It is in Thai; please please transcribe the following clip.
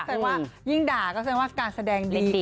คุณผู้ชมคงคภัยว่ายิ่งด่าก็คือว่าการแสดงดี